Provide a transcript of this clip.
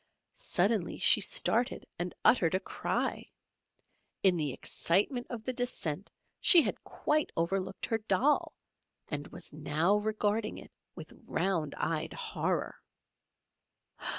Suddenly she started and uttered a cry. In the excitement of the descent she had quite overlooked her doll, and was now regarding it with round eyed horror!